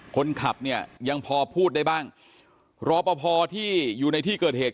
คนขับเนี่ยยังพอพูดได้บ้างรอปภที่อยู่ในที่เกิดเหตุ